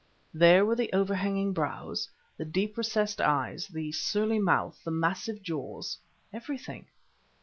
There were the overhanging brows, the deep recessed eyes, the surly mouth, the massive jaws everything.